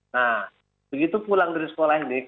nah begitu pulang dari sekolah ini